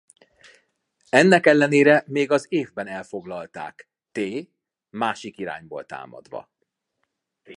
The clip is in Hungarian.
Ennek ellenére még az évben elfoglalták t másik irányból támadva.